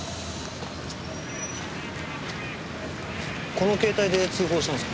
この携帯で通報したんですか？